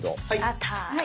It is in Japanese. あった！